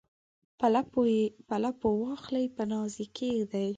په لپو واخلي په ناز یې کښیږدي